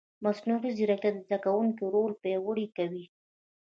مصنوعي ځیرکتیا د زده کوونکي رول پیاوړی کوي.